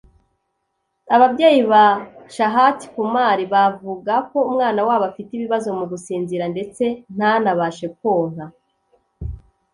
Ababyeyi ba Chahat Kumar bavuga ko umwana wabo afite ibibazo mu gusinzira ndetse ntanabashe konka